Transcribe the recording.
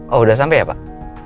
oh sudah sampai ya pak